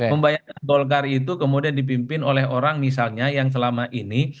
membayangkan golkar itu kemudian dipimpin oleh orang misalnya yang selama ini